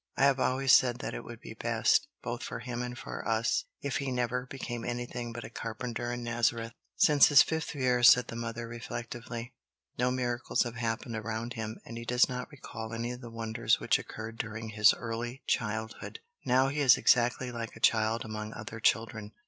I have always said that it would be best, both for him and for us, if he never became anything but a carpenter in Nazareth." "Since his fifth year," said the mother reflectively, "no miracles have happened around him. And he does not recall any of the wonders which occurred during his early childhood. Now he is exactly like a child among other children.